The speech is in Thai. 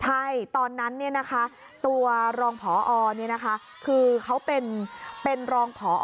ใช่ตอนนั้นตัวรองพอคือเขาเป็นรองพอ